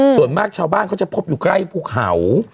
ส่วนมากชาวบ้านเขาจะพบอยู่ใกล้ภูเขา